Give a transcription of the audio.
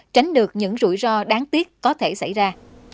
tránh được những rủi ro đáng tiếc có thể xảy ra